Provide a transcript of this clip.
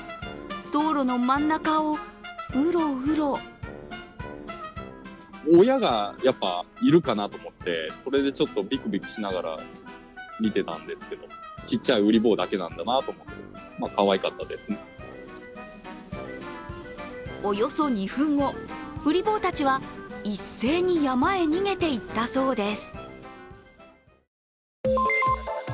道路の真ん中をうろうろおよそ２分後、ウリ坊たちは一斉に山へ逃げていったそうです。